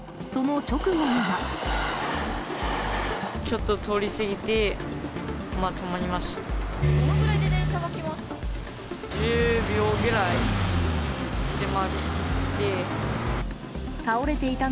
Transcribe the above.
ちょっと通り過ぎて、止まりました。